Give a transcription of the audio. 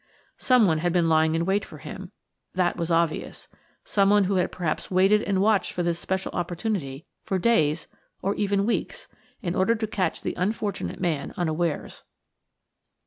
Someone had been lying in wait for him; that was obvious–someone who had perhaps waited and watched for this special opportunity for days, or even weeks, in order to catch the unfortunate man unawares.